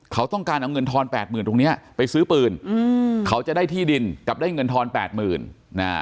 เขาต้องการเอาเงินทอนแปดหมื่นตรงเนี้ยไปซื้อปืนอืมเขาจะได้ที่ดินกับได้เงินทอนแปดหมื่นอ่า